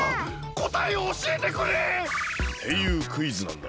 こたえをおしえてくれ！っていうクイズなんだ。